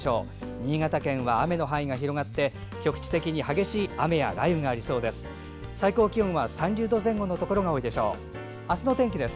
新潟県は雨の範囲が広がって局地的に激しい雨や雷雨がありそうです。